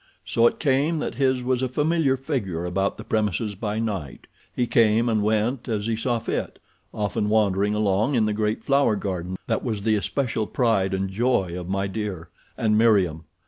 So it came that his was a familiar figure about the premises by night. He came and went as he saw fit, often wandering along in the great flower garden that was the especial pride and joy of My Dear and Meriem.